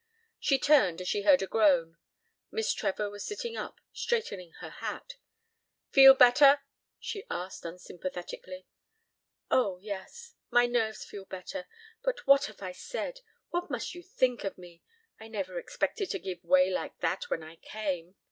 She turned as she heard a groan. Miss Trevor was sitting up, straightening her hat. "Feel better?" she asked unsympathetically. "Oh, yes my nerves feel better! But what have I said? What must you think of me? I never expected to give way like that when I came.